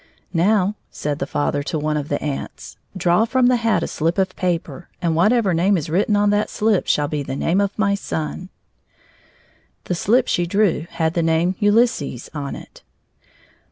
"Now," said the father to one of the aunts, "draw from the hat a slip of paper, and whatever name is written on that slip shall be the name of my son." The slip she drew had the name "Ulysses" on it.